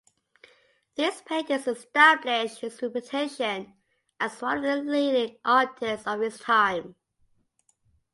These paintings established his reputation as one of the leading artists of his time.